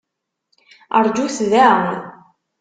Rǧut da!